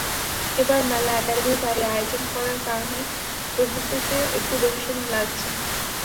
এবার মেলা একাডেমির বাইরে আয়োজন করার কারণে প্রস্তুতিতে একটু সময় বেশি লাগছে।